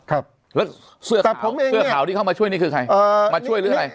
ครับแล้วเสื้อขาวที่เข้ามาช่วยนี่คือใครเออมาช่วยหรืออะไร